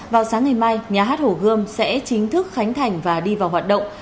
vào sáng ngày mai nhà hát hồ gươm sẽ chính thức khánh thành và đi vào hoạt động